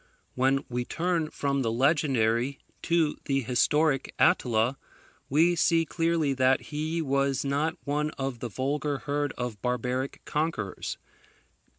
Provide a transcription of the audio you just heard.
When we turn from the legendary to the historic Attila, we see clearly that he was not one of the vulgar herd of barbaric conquerors.